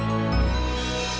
aku berharap bisa menemukanmu